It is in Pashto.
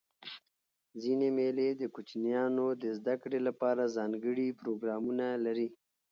ځيني مېلې د کوچنيانو د زدهکړي له پاره ځانګړي پروګرامونه لري.